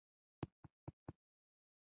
د ورانۍ پیغام یې راوړی و.